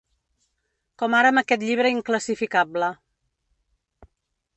Com ara amb aquest llibre inclassificable.